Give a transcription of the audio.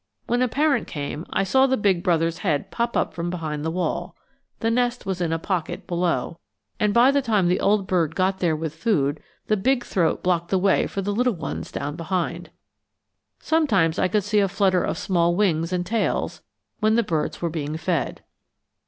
When a parent came, I saw the big brother's head pop up from behind the wall, the nest was in a pocket below, and by the time the old bird got there with food the big throat blocked the way for the little ones down behind. Sometimes I could see a flutter of small wings and tails, when the birds were being fed.